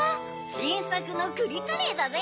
しんさくのくりカレーだぜ！